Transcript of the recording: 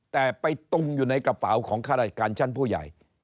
แต่ไปตุงอยู่ในกระเป๋าของข้าราชการชั้นผู้ใหญ่